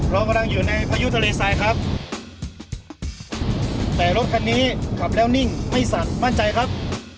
เรากำลังอยู่ในพายุทะเลทรายครับแต่รถคันนี้ขับแล้วนิ่งไม่สั่นมั่นใจครับ